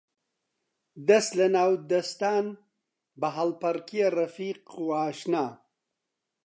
دەس لە ناو دەستان، بە هەڵپەڕکێ ڕەفیق و ئاشنا